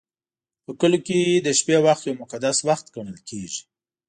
په کلیو کې د شپې وخت یو مقدس وخت ګڼل کېږي.